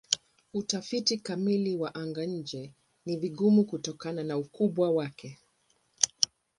Utafiti kamili wa anga-nje ni vigumu kutokana na ukubwa wake.